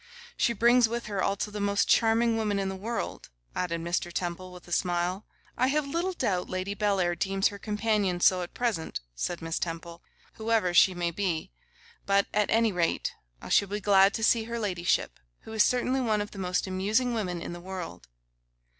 'She brings with her also the most charming woman in the world,' added Mr. Temple, with a smile. 'I have little doubt Lady Bellair deems her companion so at present,' said Miss Temple, 'whoever she may be; but, at any rate, I shall be glad to see her ladyship, who is certainly one of the most amusing women in the world.